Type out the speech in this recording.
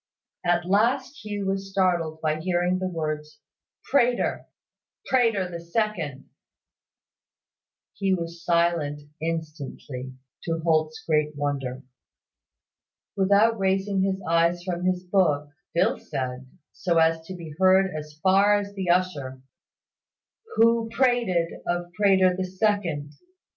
At last Hugh was startled by hearing the words "Prater", "Prater the second." He was silent instantly, to Holt's great wonder. Without raising his eyes from his book, Phil said, so as to be heard as far as the usher, "Who prated, of Prater the second?